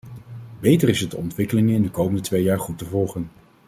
Beter is het de ontwikkelingen in de komende twee jaar goed te volgen.